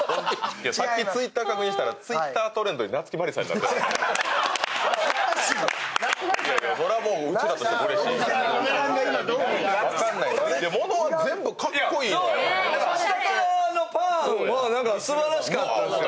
さっきＴｗｉｔｔｅｒ確認したらＴｗｉｔｔｅｒトレンドに夏木マリさんがものは全部かっこいいのよ。